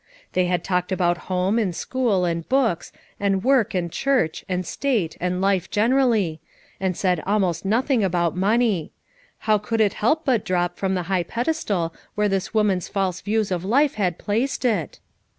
They had talked about home and school and books and work and church and state and life generally, and said almost nothing about money; how could it help but drop from the high pedestal where this woman's false views of life had placed it?